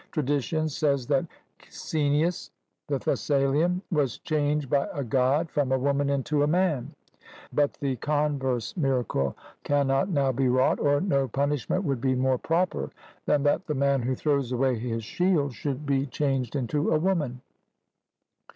Tradition says that Caeneus, the Thessalian, was changed by a God from a woman into a man; but the converse miracle cannot now be wrought, or no punishment would be more proper than that the man who throws away his shield should be changed into a woman.